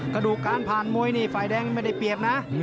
กระดูกการผ่านมวยนี่ฝ่ายแดงนี่ไม่ได้เปรียบนะ